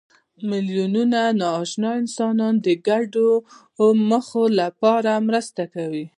میلیونونه ناآشنا انسانان د ګډو موخو لپاره مرسته کوي.